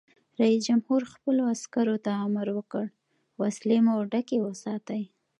رئیس جمهور خپلو عسکرو ته امر وکړ؛ وسلې مو ډکې وساتئ!